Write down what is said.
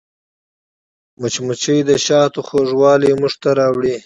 مچمچۍ د شاتو خوږوالی موږ ته راوړي